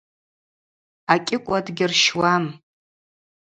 Акӏьыкӏва дгьырщуам.